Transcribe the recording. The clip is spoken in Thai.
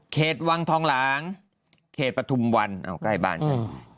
เขตวังทองหลางเขตประทุมวันอ้าวใกล้บ้านจัง